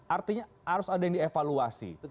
artinya harus ada yang dievaluasi